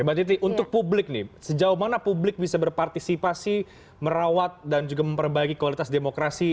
mbak titi untuk publik nih sejauh mana publik bisa berpartisipasi merawat dan juga memperbaiki kualitas demokrasi